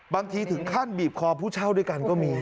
ถึงขั้นบีบคอผู้เช่าด้วยกันก็มี